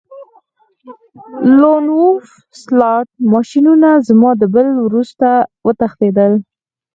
لون وولف سلاټ ماشینونه زما د بل وروسته وتښتیدل